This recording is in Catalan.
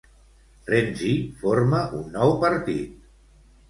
Renzi forma un nou partit.